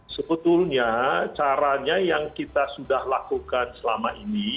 sebetulnya caranya yang kita sudah lakukan selama ini